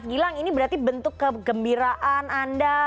gilang ini berarti bentuk kegembiraan anda